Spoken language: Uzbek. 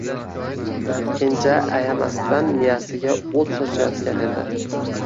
Kenja ayamasdan miyasiga o‘t sochayotgan edi.